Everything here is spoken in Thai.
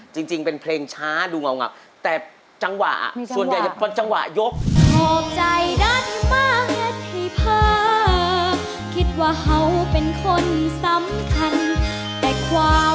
จริงเป็นเพลงช้าดูเหงาแต่จังหวะส่วนใหญ่จะเป็นจังหวะยก